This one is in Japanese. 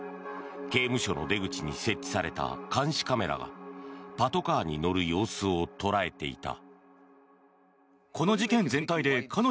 刑務所の出口に設置された監視カメラがパトカーに乗る様子を捉えていた。